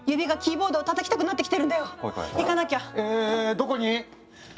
どこに？